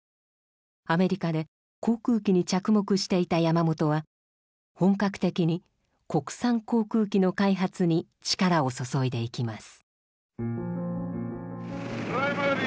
アメリカで航空機に着目していた山本は本格的に国産航空機の開発に力を注いでいきます。